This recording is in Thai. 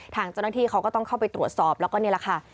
ทางเจ้าหน้าที่เขาก็ต้องเข้าไปตรวจสอบแล้วก็นี่แหละค่ะ